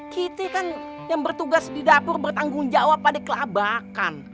kita kan yang bertugas di dapur bertanggung jawab pada kelabakan